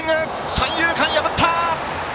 三遊間、破った！